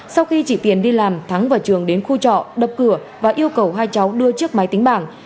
sau khi chị tiền đi làm thắng và trường đến khu trọ đập cửa và yêu cầu hai cháu đưa chiếc máy tính bảng